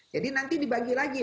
jadi nanti dibagi lagi